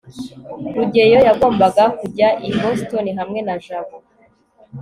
rugeyo yagombaga kujya i boston hamwe na jabo